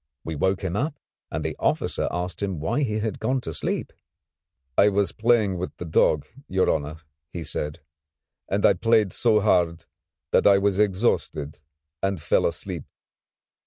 We woke him up and the officer asked him why he had gone to sleep. "I was playing with the dog, your honour," he said, "and I played so hard that I was exhausted and fell asleep."